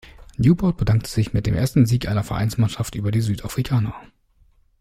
Newport bedankte sich mit dem ersten Sieg einer Vereinsmannschaft über die Südafrikaner.